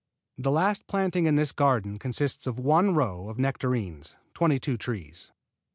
The last planting in this garden consists of one row of nectarines, twenty two trees.